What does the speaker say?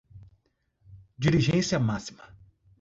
dirigência máxima